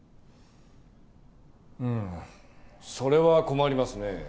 うーんそれは困りますねえ。